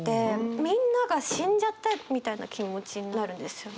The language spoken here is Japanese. みんなが死んじゃったみたいな気持ちになるんですよね。